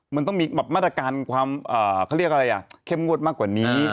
มันต้องมีแบบมาตรการความเขาเรียกอะไรอ่ะเข้มงวดมากกว่านี้